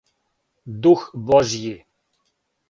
дух Божји